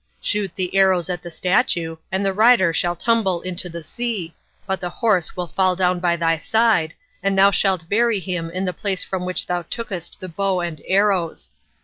Shoot the arrows at the statue, and the rider shall tumble into the sea, but the horse will fall down by thy side, and thou shalt bury him in the place from which thou tookest the bow and arrows.